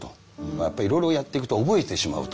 「やっぱりいろいろやっていくと覚えてしまう」と。